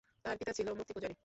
তার পিতা ছিল মূর্তিপূজারী।